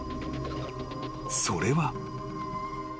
［それは］